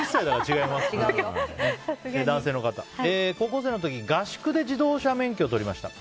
高校生の時に合宿で自動車免許を取りました。